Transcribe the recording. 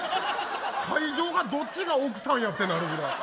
会場がどっちが奥さんやてなるぐらい。